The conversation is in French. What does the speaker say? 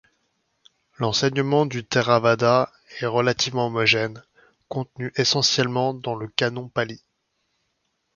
L’enseignement du Theravada est relativement homogène, contenu essentiellement dans le Canon pali.